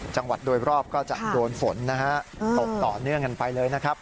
จังหวัดโดยรอบก็จะโดนฝนนะฮะตกต่อเนื่องกันไปเลยนะครับ